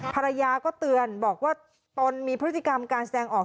ภรรยาก็เตือนบอกว่าตนมีพฤติกรรมการแสดงออก